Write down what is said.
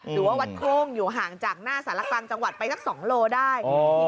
หรือว่าวัดโค้งอยู่ห่างจากหน้าสารกลางจังหวัดไปสัก๒โลได้